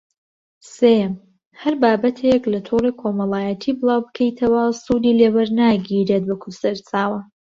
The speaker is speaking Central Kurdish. سێیەم: هەر بابەتێک لە تۆڕی کۆمەڵایەتی بڵاوبکەیتەوە، سوودی لێ وەرناگیرێت وەکو سەرچاوە